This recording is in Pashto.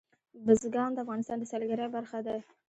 بزګان د افغانستان د سیلګرۍ برخه ده.